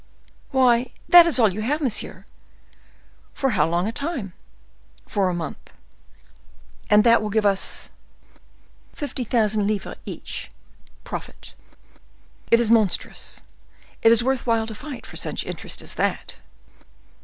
"Why, that is all you have, monsieur. For how long a time?" "For a month." "And that will give us—" "Fifty thousand livres each, profit." "It is monstrous! It is worth while to fight for such interest as that!"